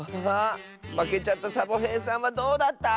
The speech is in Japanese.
まけちゃったサボへいさんはどうだった？